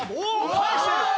返してる。